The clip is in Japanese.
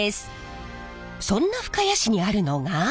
そんな深谷市にあるのが。